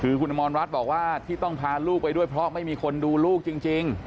คือคุณอมรรัฐบอกว่าที่ต้องพาลูกไปด้วยเพราะไม่มีคนดูลูกจริง